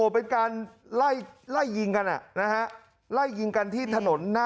เป็นการไล่ไล่ยิงกันนะฮะไล่ยิงกันที่ถนนหน้า